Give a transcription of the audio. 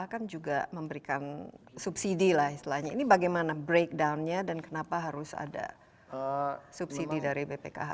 kan juga memberikan subsidi lah istilahnya ini bagaimana breakdownnya dan kenapa harus ada subsidi dari bpkh